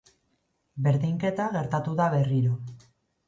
Berdinketa gertatu da berriro.